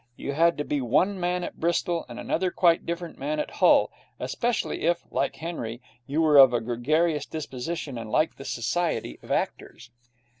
You had to be one man at Bristol and another quite different man at Hull especially if, like Henry, you were of a gregarious disposition, and liked the society of actors.